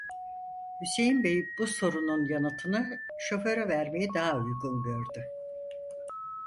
Hüseyin bey bu sorunun yanıtını şoföre vermeyi daha uygun gördü.